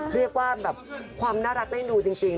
เรียกว่าแบบความน่ารักได้ดูจริง